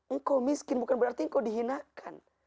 engkau miskin bukan berarti engkau dihinakan